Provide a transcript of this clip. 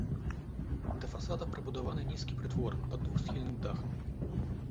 Да фасада прыбудаваны нізкі прытвор пад двухсхільным дахам.